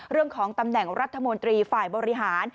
เรื่องของตำแหน่งรัฐมนตรีฝ่ายบริหาร